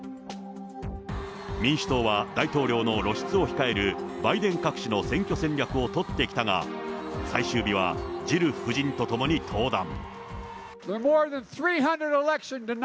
民主党は大統領の露出を控えるバイデン隠しの選挙戦略を取ってきたが、最終日は、ジル夫人と共に登壇。